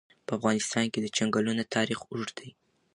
په افغانستان کې د چنګلونه تاریخ اوږد دی.